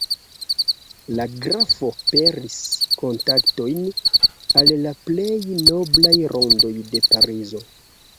La grafo peris kontaktojn al la plej noblaj rondoj de Parizo.